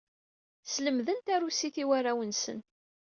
Slemden tarusit i warraw-nsen.